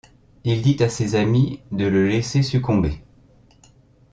Il dit à ses amis de le laisser succomber.